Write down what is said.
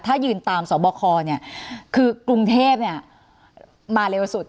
ถ้ายืนตามสบคเนี่ยคือกรุงเทพมาเร็วสุด